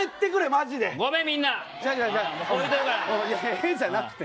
「え」じゃなくて。